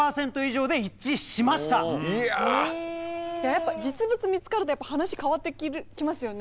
やっぱ実物見つかると話変わってきますよね。